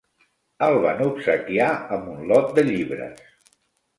El van obsequiar amb un lot de llibres.